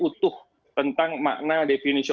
utuh tentang makna definisi